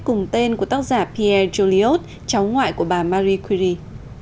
cùng tên của tác giả pierre joliot cháu ngoại của bà marie curie